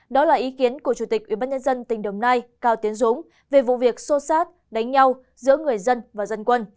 đó là ý kiến của chủ tịch ubnd tỉnh đồng nai cao tiến dũng về vụ việc xô xát đánh nhau giữa người dân và dân quân